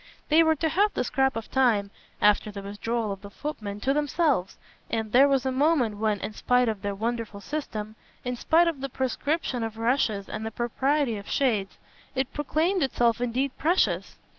They were to have the scrap of time, after the withdrawal of the footman, to themselves, and there was a moment when, in spite of their wonderful system, in spite of the proscription of rushes and the propriety of shades, it proclaimed itself indeed precious.